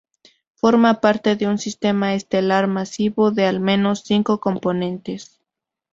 Forma parte de un sistema estelar masivo de al menos cinco componentes.